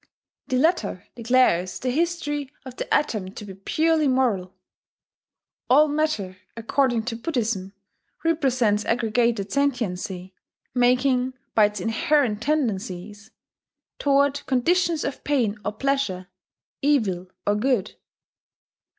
The latter declares the history of the atom to be purely moral! All matter, according to Buddhism, represents aggregated sentiency, making, by its inherent tendencies, toward conditions of pain or pleasure, evil or good.